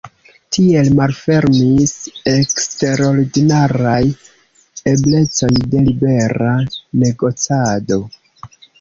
Tiel malfermis eksterordinaraj eblecoj de libera negocado.